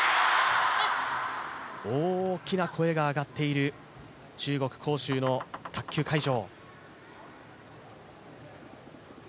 大きな声が上がっている中国・杭州の卓球会場。